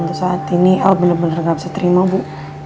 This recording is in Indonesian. untuk saat ini el bener bener gak bisa terima bu